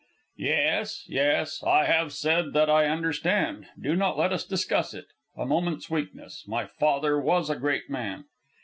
"Yes, yes. I have said that I understand. Do not let us discuss it ... a moment's weakness. My father was a great man."